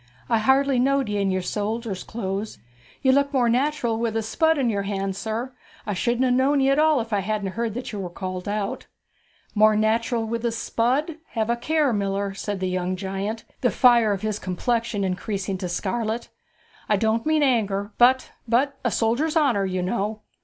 I hardly knowed ye in your soldier's clothes. You'd look more natural with a spud in your hand, sir. I shouldn't ha' known ye at all if I hadn't heard that you were called out.' 'More natural with a spud! have a care, miller,' said the young giant, the fire of his complexion increasing to scarlet. 'I don't mean anger, but but a soldier's honour, you know!'